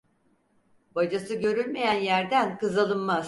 Bacası görülmeyen yerden kız alınmaz.